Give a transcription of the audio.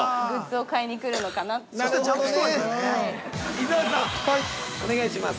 ◆伊沢さん、お願いします。